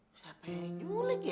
siapa yang nyulik ya